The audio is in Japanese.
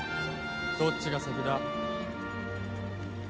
どっちが先だ？